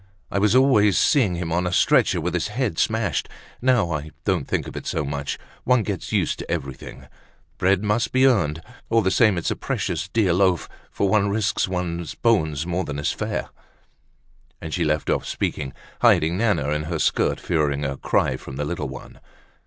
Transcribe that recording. I was always seeing him on a stretcher, with his head smashed. Now, I don't think of it so much. One gets used to everything. Bread must be earned. All the same, it's a precious dear loaf, for one risks one's bones more than is fair." And she left off speaking, hiding Nana in her skirt, fearing a cry from the little one.